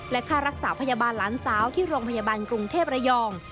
ค่ารักษาพยาบาลหลานสาวที่โรงพยาบาลกรุงเทพระยอง